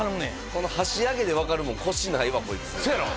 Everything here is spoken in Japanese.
この箸上げで分かるもんコシないわこいつせやろ？